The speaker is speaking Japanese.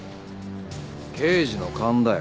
刑事の勘だよ。